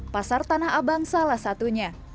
pasar tanah abang salah satunya